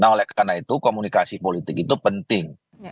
nah oleh karena itu komunikasi politik itu penting